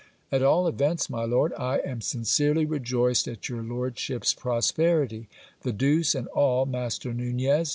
At all events, my lord, I am sin cerely rejoiced at your lordship's prosperity. The deuce and all, Master Nunez